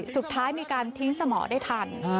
สุดท้ายมีการทิ้งสมองได้ทัน